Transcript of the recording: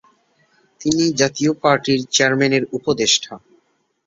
তিনি জাতীয় পার্টির চেয়ারম্যানের উপদেষ্টা।